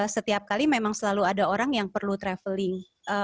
setiap kali memang selalu ada orang yang perlu traveling